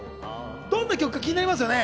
どんな曲か気になりますよね。